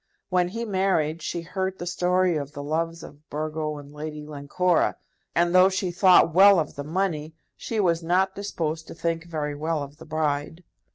When he married, she heard the story of the loves of Burgo and Lady Glencora; and though she thought well of the money, she was not disposed to think very well of the bride.